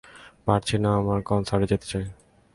পারছি না, আমরা কনসার্টে যেতে চাই।